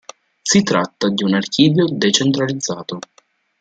Si tratta di un archivio decentralizzato.